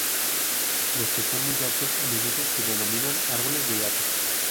Los que son muy altos a menudo se denominan "árboles de gato".